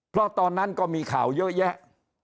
เพราะตอนนั้นก็มีข่าวเยอะแยะ